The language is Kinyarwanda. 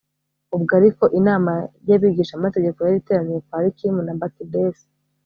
ubwo ariko, inama y'abigishamategeko yari iteraniye kwa alikimu na bakidesi